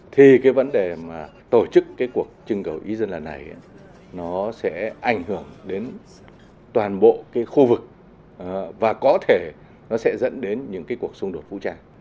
thì cái vấn đề mà tổ chức cái cuộc trưng cầu ý dân lần này nó sẽ ảnh hưởng đến toàn bộ cái khu vực và có thể nó sẽ dẫn đến những cái cuộc xung đột vũ trang